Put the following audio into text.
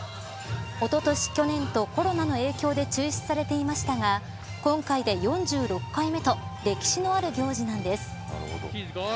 おととし、去年とコロナの影響で中止されていましたが今回で４６回目と歴史のある行事なんです。